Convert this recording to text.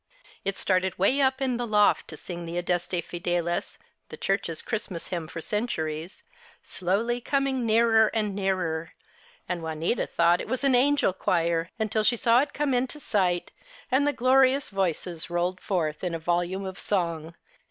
It started way up in the loft to sing the Adeste Fideles, the Church's Christmas hymn for centuries, slowly coming nearer and nearer ; and Juanita thought it was an angel choir until she saw it come into sight and the glorious voices rolled forth in a volume of song.